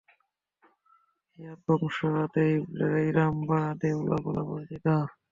এই আদ বংশ আদে ইরাম বা আদে উলা বলে পরিচিত।